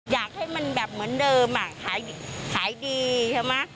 อยากให้มันแบบเหมือนเดิมอ่ะขายดีใช่ไหม